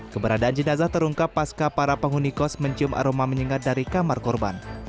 keberadaan jenazah terungkap pasca para penghuni kos mencium aroma menyengat dari kamar korban